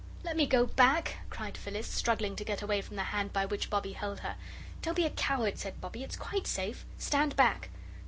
"Let me go back," cried Phyllis, struggling to get away from the hand by which Bobbie held her. "Don't be a coward," said Bobbie; "it's quite safe. Stand back."